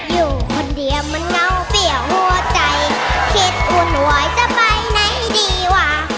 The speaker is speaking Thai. อยู่คนเดียวมันเงาเสียหัวใจคิดวุ่นไว้จะไปไหนดีว่ะ